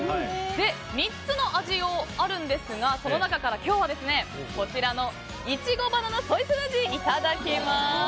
３つの味があるんですがその中から今日はこちらのいちごバナナソイスムージーをいただきます。